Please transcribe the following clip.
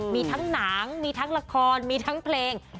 มีทั้งหนังมีทั้งละครมีทั้งเพลง